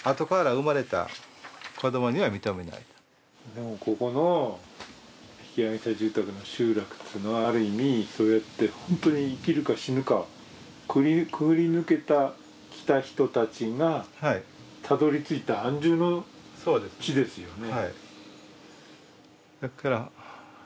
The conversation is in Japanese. でも、ここの引揚者住宅の集落はある意味そうやって本当に生きるか死ぬか、くぐり抜けてきた人たちがたどり着いた安住の地ですよね？